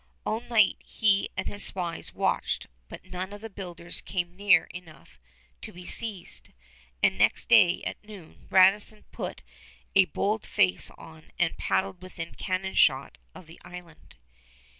All night he and his spies watched, but none of the builders came near enough to be seized, and next day at noon Radisson put a bold face on and paddled within cannon shot of the island.